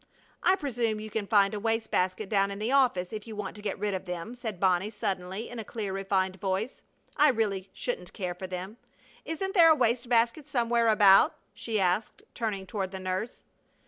"I presume you can find a waste basket down in the office if you want to get rid of them," said Bonnie, suddenly, in a clear, refined voice. "I really shouldn't care for them. Isn't there a waste basket somewhere about?" she asked, turning toward the nurse.